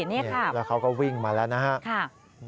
แล้วเขาก็วิ่งมาแล้วนะครับ